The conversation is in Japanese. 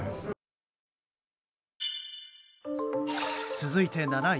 続いて７位。